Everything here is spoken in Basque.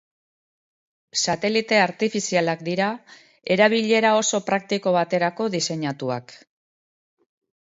Satelite artifizialak dira, erabilera oso praktiko baterako diseinatuak.